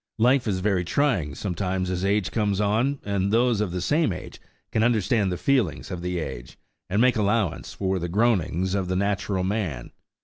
Life is very trying sometimes as age comes on, and those of the same age can understand the feelings of the age, and make allowance for the groanings of the natural man.